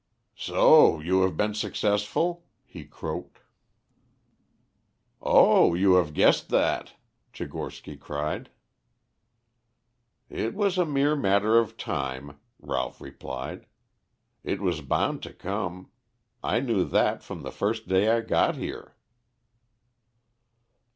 "So you have been successful?" he croaked. "Oh, you have guessed that!" Tchigorsky cried. "It was a mere matter of time," Ralph replied. "It was bound to come. I knew that from the first day I got here."